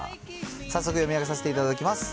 早速読み上げさせていただきます。